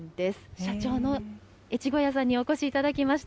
社長の越後屋さんにお越しいただきました。